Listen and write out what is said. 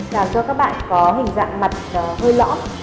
làm cho các bạn có hình dạng mặt hơi lõm